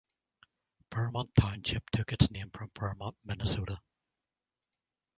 Fairmont Township took its name from Fairmont, Minnesota.